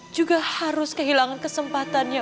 juga harus kehilangan kesempatannya